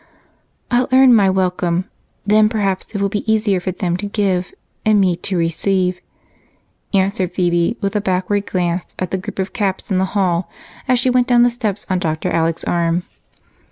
"I'll earn my welcome then perhaps it will be easier for them to give and me to receive it," answered Phebe, with a backward glance at the group of caps in the hall as she went down the steps on Dr. Alec's arm.